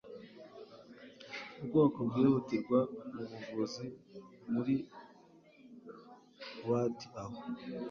ubwoko bwihutirwa mubuvuzi muri ward aho